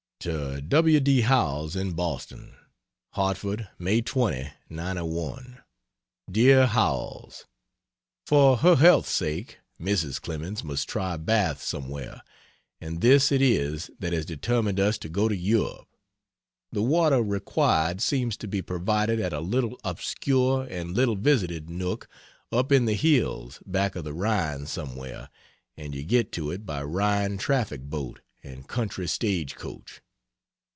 To W. D. Howells, in Boston: HARTFORD, May 20, '91. DEAR HOWELLS, For her health's sake Mrs. Clemens must try baths somewhere, and this it is that has determined us to go to Europe. The water required seems to be provided at a little obscure and little visited nook up in the hills back of the Rhine somewhere and you get to it by Rhine traffic boat and country stage coach.